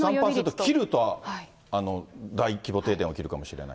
３％切ると大規模停電起きるかもしれない。